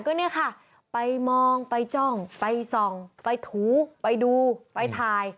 ก็เนี่ยค่ะไปมองไปจ้องไปส่องไปถูไปดูไปถ่าย